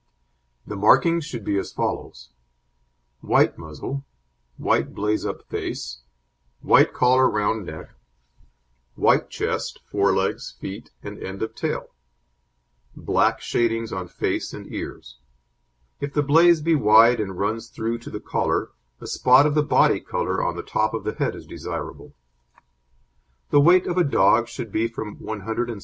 The markings should be as follows; white muzzle, white blaze up face, white collar round neck; white chest, forelegs, feet, and end of tail; black shadings on face and ears. If the blaze be wide and runs through to the collar, a spot of the body colour on the top of the head is desirable. The weight of a dog should be from 170 lbs.